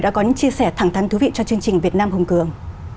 đã có những chia sẻ thẳng thắn thú vị cho chương trình việt nam hùng cường